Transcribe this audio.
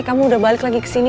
kamu udah balik lagi ke sini